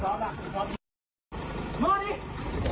เฮ้ยเฮ้ยเฮ้ย